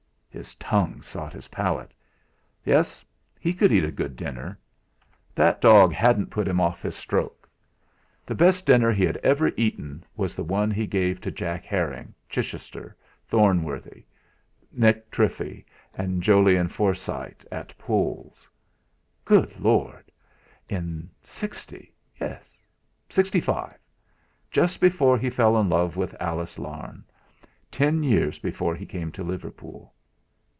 His tongue sought his palate! Yes! he could eat a good dinner! That dog hadn't put him off his stroke! The best dinner he had ever eaten was the one he gave to Jack Herring, Chichester, Thornworthy, Nick Treffry and Jolyon Forsyte at Pole's. Good Lord! In 'sixty yes 'sixty five? Just before he fell in love with Alice Larne ten years before he came to Liverpool.